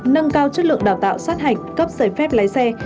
nâng cao chất lượng đào tạo sát hạch cấp giấy phép lái xe